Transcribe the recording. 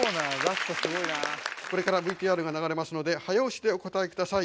これからＶＴＲが流れますので早押しでお答え下さい。